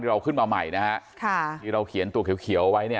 ที่เราขึ้นมาใหม่ที่เราเขียนตัวเขียวไว้